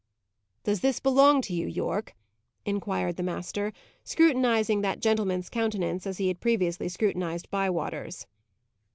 "Does this belong to you, Yorke?" inquired the master, scrutinizing that gentleman's countenance, as he had previously scrutinized Bywater's.